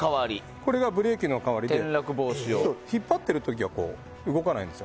これがブレーキの代わりで引っ張っているときは動かないんですよ。